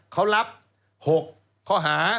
เขารับ๖ข้อหา